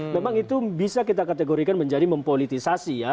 memang itu bisa kita kategorikan menjadi mempolitisasi ya